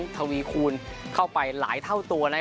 ทวีคูณเข้าไปหลายเท่าตัวนะครับ